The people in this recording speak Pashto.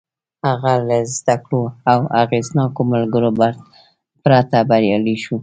هغه له زدهکړو او اغېزناکو ملګرو پرته بريالی شو.